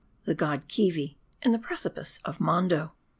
THE GOD KEEVI AND THE PREJDIPICE OF HONDO.